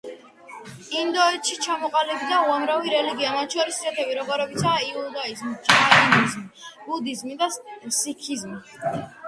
ინდოეთში ჩამოყალიბდა უამრავი რელიგია, მათ შორის ისეთები, როგორებიცაა ინდუიზმი, ჯაინიზმი, ბუდიზმი, და სიქიზმი.